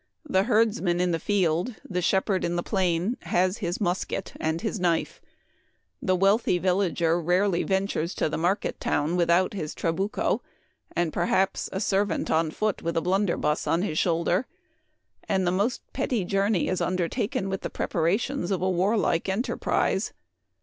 The herdsman in the field, the shepherd in the plain, has his musket and his knife. The wealthy villager rarely ventures to the market town without his trabucho, and, perhaps, a servant on foot with a blunderbuss on his shoulder ; and the most petty journey is undertaken with the preparations of a warlike enterprise.